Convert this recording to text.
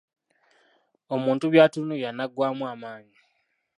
Omuntu by'atunuulira n'aggwaamu amaanyi.